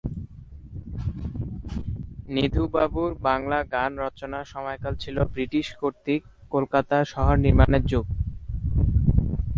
নিধুবাবুর বাংলা গান রচনার সময়কাল ছিল ব্রিটিশ কর্তৃক কলকাতা শহর নির্মাণের যুগ।